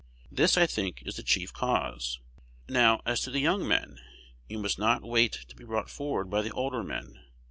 This, I think, is the chief cause. Now, as to the young men. You must not wait to be brought forward by the older men.